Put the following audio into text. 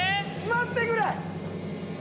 待ってくれ！